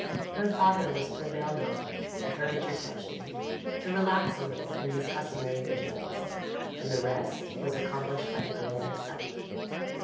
Her father was prevailed on at her intercession to relax a little in his customary vigilance; and the rest was accomplished by the girl herself.